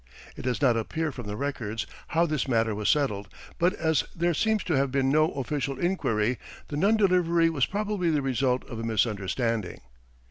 It does not appear from the records how this matter was settled; but as there seems to have been no official inquiry, the non delivery was probably the result of a misunderstanding.